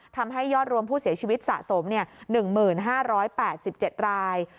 ทำให้ยอดรวมผู้เสียชีวิตสะสม๑๕๘๗ราย